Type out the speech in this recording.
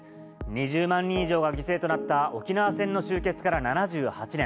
２０万人以上が犠牲となった、沖縄戦の終結から７８年。